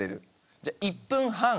じゃあ１分半。